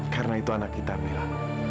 karena itu anak kita mila